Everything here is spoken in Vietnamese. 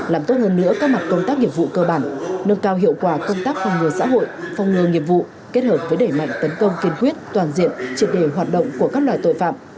làm tốt hơn nữa các mặt công tác nghiệp vụ cơ bản nâng cao hiệu quả công tác phòng ngừa xã hội phòng ngừa nghiệp vụ kết hợp với đẩy mạnh tấn công kiên quyết toàn diện triệt đề hoạt động của các loại tội phạm